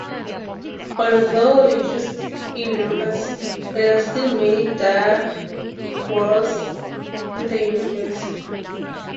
Although reduced in numbers, there are still many Dire Wraiths in the universe.